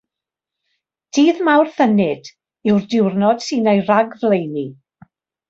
Dydd Mawrth Ynyd yw'r diwrnod sy'n ei ragflaenu.